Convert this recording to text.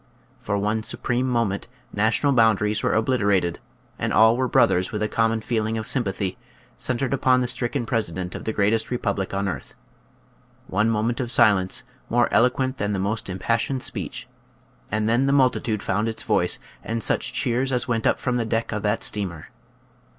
For one supreme moment national boundaries were obliterated, and all were brothers with a com mon feeling of sympathy, centered upon the stricken President of the greatest republic on earth. One moment of silence, more eloquent than the most impassioned speech, and then the multitude found its voice, and such cheers as went up from the deck of that steamer!